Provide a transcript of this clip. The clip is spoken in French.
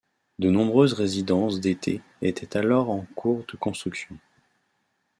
De nombreuses résidences d'été étaient alors en cours de construction.